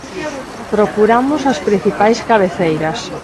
Procuramos as principais cabeceiras.